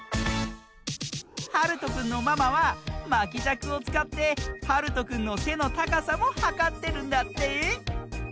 はるとくんのママはまきじゃくをつかってはるとくんのせのたかさもはかってるんだって。